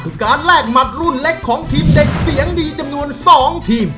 คือการแลกหมัดรุ่นเล็กของทีมเด็กเสียงดีจำนวน๒ทีม